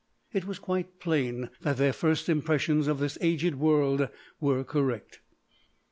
It was quite plain that their first impressions of this aged world were correct.